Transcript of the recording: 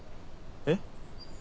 えっ？